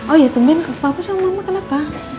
oh ya tunggian papa sama mama kenapa